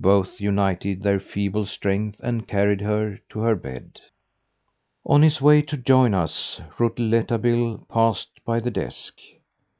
Both united their feeble strength and carried her to her bed. On his way to join us Rouletabille passed by the desk.